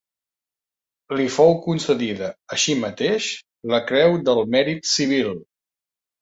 Li fou concedida, així mateix, la Creu del Mèrit Civil.